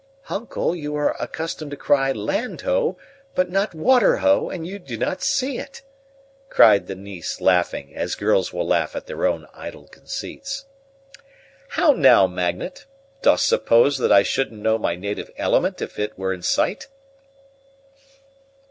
"Uncle, you are accustomed to cry 'Land ho!' but not 'Water ho!' and you do not see it," cried the niece, laughing, as girls will laugh at their own idle conceits. "How now, Magnet! dost suppose that I shouldn't know my native element if it were in sight?"